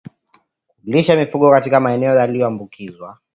Kulishia mifugo katika maeneo yaliyoambukizwa